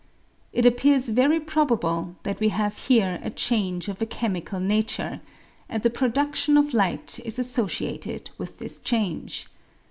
It appears very probable that we have here a change of a chemical nature, and the produdion of light is associated with this change.